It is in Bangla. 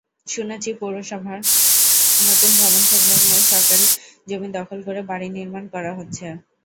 শুনেছি পৌরসভার নতুন ভবনসংলগ্ন সরকারি জমি দখল করে বাড়ি নির্মাণ করা হচ্ছে।